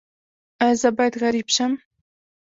ایا زه باید غریب شم؟